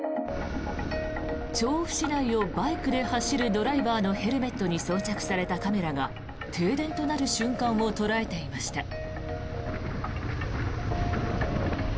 調布市内をバイクで走るドライバーのヘルメットに装着されたカメラが停電となる瞬間を捉えていました。